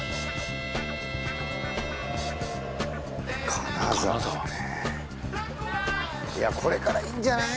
金沢ね金沢いやこれからいいんじゃない？